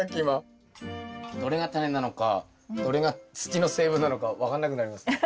どれがタネなのかどれが土の成分なのか分かんなくなりますね。